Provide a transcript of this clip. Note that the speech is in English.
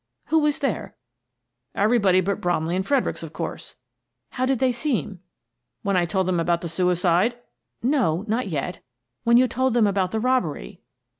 "Who was there?" "Everybody but Bromley and Fredericks, of course." "How did they seem?" "When I told them about the suicide?" " No — not yet. When you told them about the robbery."